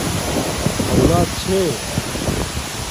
اولݳت چھݺ؟